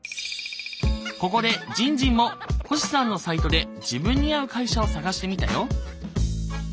ここでじんじんも星さんのサイトで自分に合う会社を探してみたよ。